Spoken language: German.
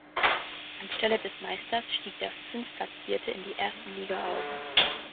Anstelle des Meisters stieg der Fünftplatzierte in die ersten Liga auf.